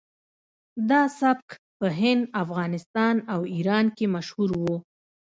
دا سبک په هند افغانستان او ایران کې مشهور و